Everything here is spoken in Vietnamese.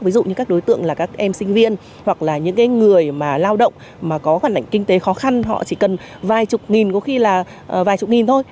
ví dụ như các đối tượng là các em sinh viên hoặc là những người mà lao động mà có hoàn cảnh kinh tế khó khăn họ chỉ cần vài chục nghìn có khi là vài chục nghìn thôi